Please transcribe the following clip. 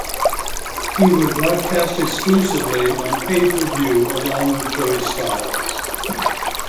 He would broadcast exclusively on pay-per-view along with Joey Styles.